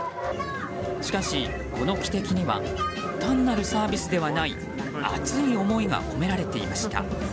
しかし、この汽笛には単なるサービスではない熱い思いが込められていました。